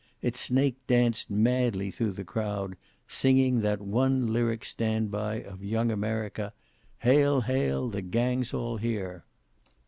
It snake danced madly through the crowd, singing that one lyric stand by of Young America: "Hail! hail! the gang's all here!"